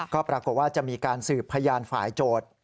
ก็ปรากฏว่าจะมีการสืบพยานฝ่ายโจทย์